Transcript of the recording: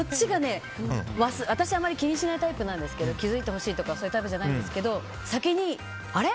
私あまり気にしないタイプなんですけど気づいてほしいとかそういうタイプじゃないんですけど先にあれ？